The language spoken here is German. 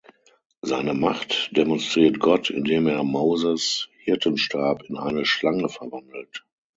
Seine Macht demonstriert Gott, indem er Moses’ Hirtenstab in eine Schlange verwandelt.